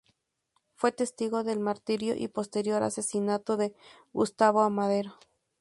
Fue testigo del martirio y posterior asesinato de Gustavo A. Madero.